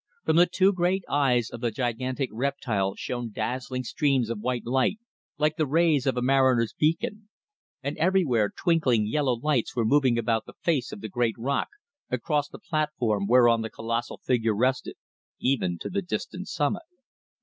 From the two great eyes of the gigantic reptile shone dazzling streams of white light, like the rays of a mariner's beacon, and everywhere twinkling yellow lights were moving about the face of the great rock, across the platform whereon the colossal figure rested, even to the distant summit.